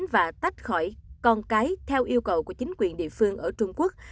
và tách khỏi con cái theo yêu cầu của chính quyền địa phương ở trung quốc